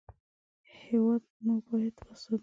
هېواد مو باید وساتو